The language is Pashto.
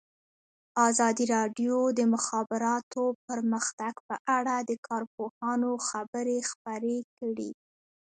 ازادي راډیو د د مخابراتو پرمختګ په اړه د کارپوهانو خبرې خپرې کړي.